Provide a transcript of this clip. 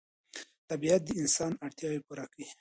طبیعت د انسان اړتیاوې پوره کوي